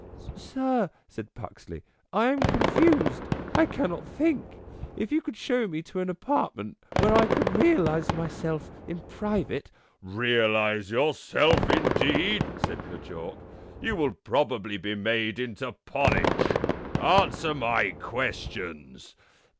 " Sir," said Puxley, " I am confused. I cannot think. If you could show me to an apartment where I could realize myself in private. ..." "Realize yourself, indeed!" said N' Jawk. "You will probably be made into porridge. Answer my questions."